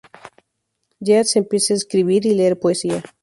Yeats empieza a escribir y leer poesía.